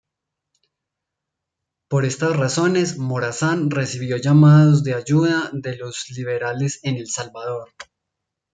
Por estas razones, Morazán recibió llamados de ayuda de los liberales en El Salvador.